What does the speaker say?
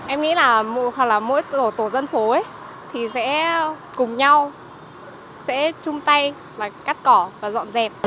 em nghĩ là mỗi tổ dân phố sẽ cùng nhau sẽ chung tay cắt cỏ và dọn dẹp